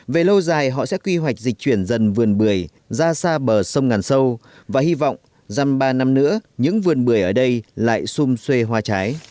về lâu dài họ sẽ quy hoạch dịch chuyển dần vườn bưởi ra xa bờ sông ngàn sâu và hy vọng dăm ba năm nữa những vườn bưởi ở đây lại xom xuê hoa trái